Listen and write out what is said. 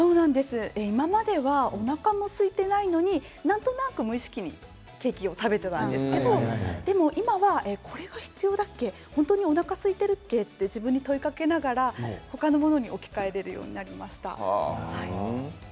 今まではおなかもすいてないのになんとなく無意識にケーキを食べていたんですけど今はこれは必要だっけ、本当におなかがすいているかと自分に問いかけながら他のものに置き換えるようになりました。